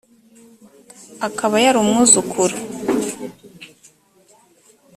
akaba yari umwuzukuru